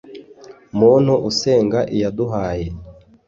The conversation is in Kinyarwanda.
muntu usenga iyaduhaye